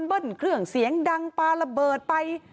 เครื่องเสียงดังปลาระเบิดไป